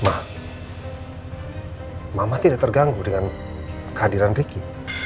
mama tidak terganggu dengan kehadiran ricky